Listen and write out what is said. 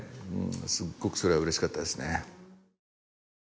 すっごくそれはうれしかったですね